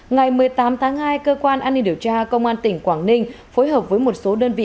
ngày một mươi tám tháng hai cơ quan an ninh điều tra công an tỉnh quảng ninh phối hợp với một số đơn vị